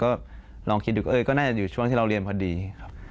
ก็ลองคิดดูก็น่าจะอยู่ช่วงที่เราเรียนพอดีครับ